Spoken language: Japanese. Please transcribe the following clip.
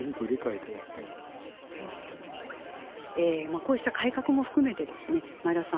こうした改革も含めてですね前田さん